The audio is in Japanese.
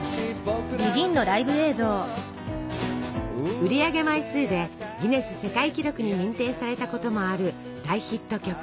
売り上げ枚数でギネス世界記録に認定されたこともある大ヒット曲。